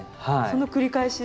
その繰り返し？